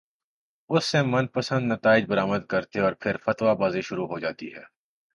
اس سے من پسندنتائج برآمد کرتے اورپھر فتوی بازی شروع ہو جاتی ہے۔